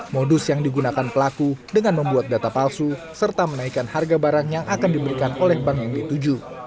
modus yang digunakan pelaku dengan membuat data palsu serta menaikkan harga barang yang akan diberikan oleh bank yang dituju